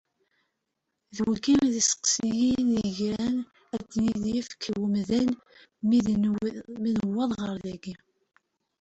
D wigi i d isteqsiyen i d-igran ad ten-id-yefk umdan mi d-newweḍ ɣer dagi.